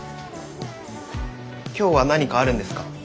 今日は何かあるんですか？